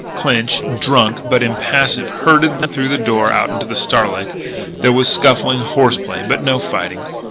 Clinch, drunk but impassive, herded them through the door out into the starlight. There was scuffling, horse play, but no fighting.